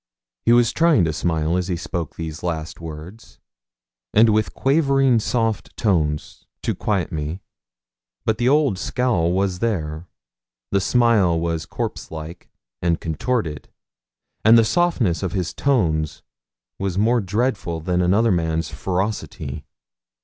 He was trying to smile as he spoke these last words, and, with quavering soft tones, to quiet me; but the old scowl was there, the smile was corpse like and contorted, and the softness of his tones was more dreadful than another man's ferocity.